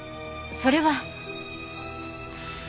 それは。